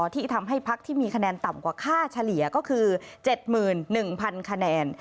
ที่ทำให้พักที่มีคะแนนต่ำกว่าค่าเฉลี่ยก็คือ๗๑๐๐คะแนน